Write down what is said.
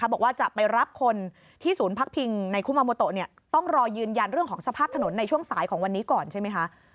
บอกว่าจะไปรับคนที่ศูนย์พักพิงในคุมาโมโตต้องรอยืนยันเรื่องของสภาพถนนในช่วงสายของวันนี้ก่อนใช่ไหมคะ